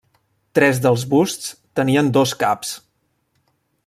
Tres dels busts tenien dos caps.